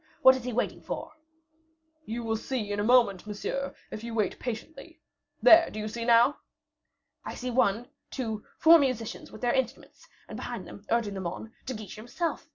What is he waiting for?" "You will see in a moment, monsieur, if you wait patiently. There, do you see now?" "I see one, two, four musicians with their instruments, and behind them, urging them on, De Guiche himself.